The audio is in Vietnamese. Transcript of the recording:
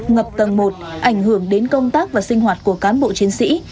ngập tầng một ảnh hưởng đến công tác và sinh hoạt của cán bộ chiến sĩ